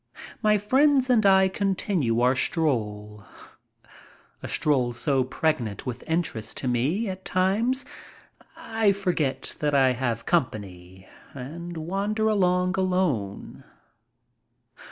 My friends and I continue our stroll — a stroll so pregnant with interest to me at times that I forget that I have com pany and wander along alone.